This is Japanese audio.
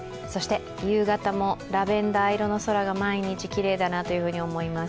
夕方もラベンダー色の空が毎日きれいだなと思います。